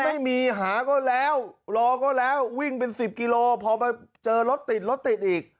ไม่มีหาก็แล้วรอก็แล้ววิ่งเป็น๑๐กิโลพอมาเจอรถติดรถติดอีก